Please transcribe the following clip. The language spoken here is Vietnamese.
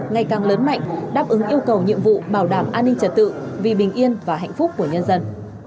ngày càng lớn mạnh đáp ứng yêu cầu nhiệm vụ bảo đảm an ninh trật tự vì bình yên và hạnh phúc của nhân dân